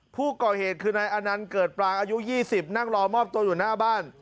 ผู้ก่อเหตุคือนายอนันต์เกิดปลางอายุ๒๐นั่งรอมอบตัวอยู่หน้าบ้าน